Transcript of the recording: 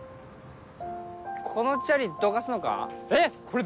このチャリどかすのか？